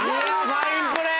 ファインプレー！